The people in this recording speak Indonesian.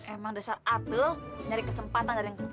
emang dasar ato nyari kesempatan dari yang kesepitan